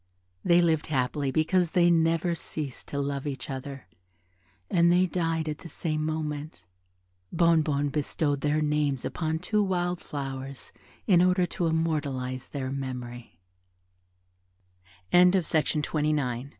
They lived happily because they never ceased to love each other, and they died at the same moment. Bonnebonne bestowed their names upon two wild flowers in order to immortalize their memory.